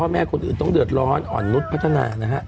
แม่คนอื่นต้องเดือดร้อนอ่อนนุษย์พัฒนานะฮะ